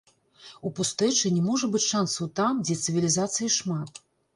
У пустэчы не можа быць шансаў там, дзе цывілізацыі шмат.